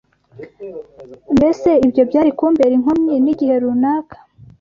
Mbese ibyo byari kumbera inkomyi n’igihe runaka?